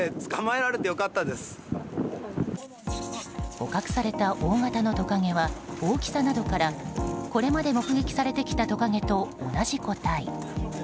捕獲された大型のトカゲは大きさなどからこれまで目撃されてきたトカゲと同じ個体。